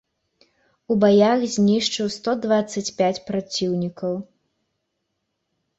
У баях знішчыў сто дваццаць пяць праціўнікаў.